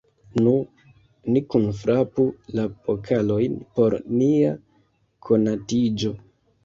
Nu, ni kunfrapu la pokalojn por nia konatiĝo!